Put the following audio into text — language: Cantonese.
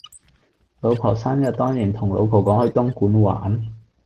老婆生日當然同老婆講去東莞玩